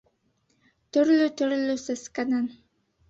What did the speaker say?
— Төрлө-төрлө сәскәнән.